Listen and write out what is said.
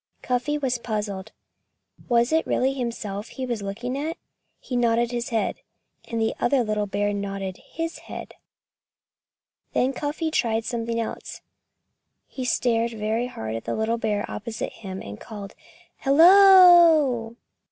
Cuffy was puzzled. Was it really himself he was looking at? He nodded his head. And the other little bear nodded his head. Then Cuffy tried something else. He stared very hard at the little bear opposite him, and called "Hello!"